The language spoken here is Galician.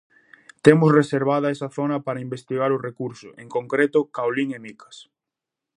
Temos reservada esa zona para investigar o recurso, en concreto, caolín e micas.